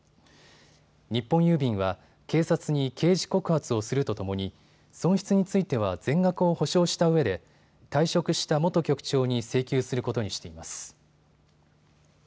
日本郵便は警察に刑事告発をするとともに損失については全額を補償したうえで退職した元局長に請求することにしています。